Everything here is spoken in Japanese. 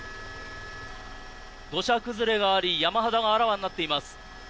土砂崩れがあり山肌があらわになっています。